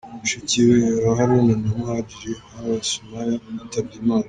Mushiki wa Haruna na Muhadjili Hawa Sumaya witabye Imana.